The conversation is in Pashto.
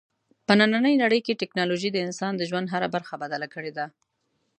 په نننۍ نړۍ کې ټیکنالوژي د انسان د ژوند هره برخه بدله کړې ده.